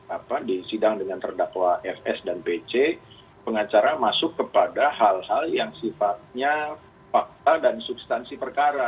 apa disidang dengan terdakwa fs dan pc pengacara masuk kepada hal hal yang sifatnya fakta dan substansi perkara